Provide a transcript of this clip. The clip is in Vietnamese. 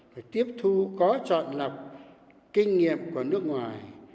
phải tiếp thu có chọn lọc kinh nghiệm của nước ngoài